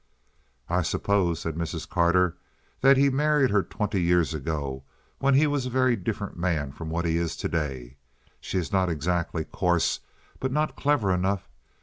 "I suppose," said Mrs. Carter, "that he married her twenty years ago, when he was a very different man from what he is to day. She is not exactly coarse, but not clever enough.